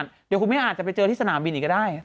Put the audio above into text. เดี๋ยวคุณแม่อาจจะไปเจอที่สนามบินอีกก็ได้